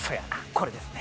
これですね。